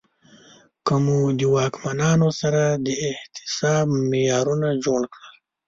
که مو د واکمنانو سره د احتساب معیارونه جوړ کړل